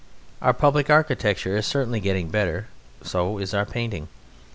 Our public architecture is certainly getting better; so is our painting.